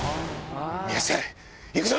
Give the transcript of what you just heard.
宮下行くぞ！